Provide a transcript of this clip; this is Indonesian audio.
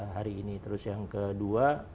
hari ini terus yang kedua